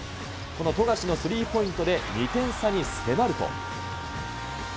この富樫のスリーポイントで２点差に迫ると。